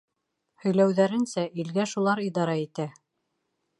Һөйләүҙәренсә, илгә шулар идара итә.